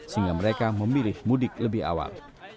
sehingga mereka memilih mudik lebih awal